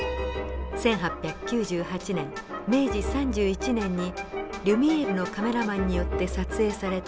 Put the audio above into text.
１８９８年明治３１年にリュミエールのカメラマンによって撮影された日本。